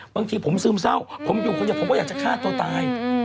บางทีผมซึมเศร้าผมอยู่คนเดียวผมก็อยากจะฆ่าตัวตาย